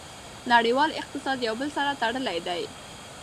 نړیوال اقتصاد یو بل سره تړلی دی.